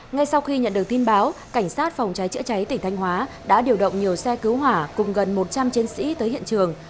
ngay sau khi nhận được tin báo cảnh sát phòng cháy chữa cháy tỉnh thanh hóa đã điều động nhiều xe cứu hỏa cùng gần một trăm linh chiến sĩ tới hiện trường